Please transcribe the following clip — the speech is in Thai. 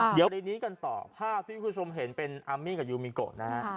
เดี๋ยวในนี้กันต่อภาพที่คุณผู้ชมเห็นเป็นอามมี่กับยูมิโกะนะฮะ